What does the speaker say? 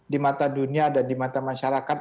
di mata dunia dan di mata masyarakat